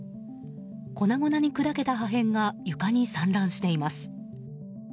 粉々に砕けた破片が床に散乱しています。